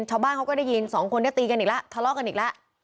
ชาวบ้านเขาก็ได้ยินสองคนนี้ตีกันอีกแล้วทะเลาะกันอีกแล้ว